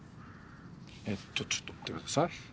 えっとちょっと待ってください。